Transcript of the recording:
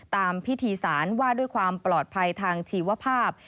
ตามพิธีสารว่าด้วยความปลอดภัยทางชีวภาพ